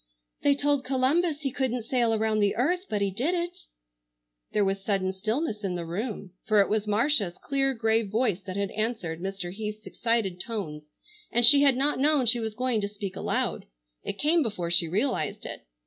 "They told Columbus he couldn't sail around the earth, but he did it!" There was sudden stillness in the room, for it was Marcia's clear, grave voice that had answered Mr. Heath's excited tones, and she had not known she was going to speak aloud. It came before she realized it.